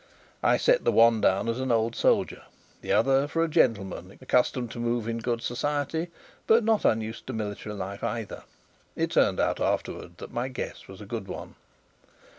I set the one down as an old soldier: the other for a gentleman accustomed to move in good society, but not unused to military life either. It turned out afterwards that my guess was a good one.